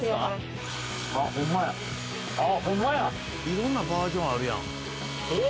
「色んなバージョンあるやん」へえ！